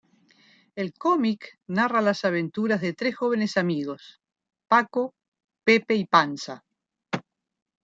El cómic narra las aventuras de tres jóvenes amigos: Paco, Pepe y Panza.